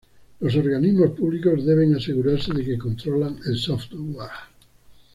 los organismos públicos deben asegurarse de que controlan el software